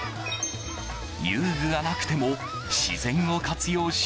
遊具がなくても自然を活用し